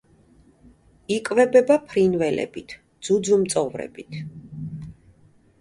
იკვებება ფრინველებით, ძუძუმწოვრებით.